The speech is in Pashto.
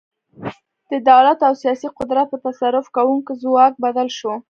د دولت او سیاسي قدرت په تصرف کوونکي ځواک بدل شو.